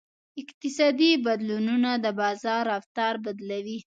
اقتصادي بدلونونه د بازار رفتار بدلوي.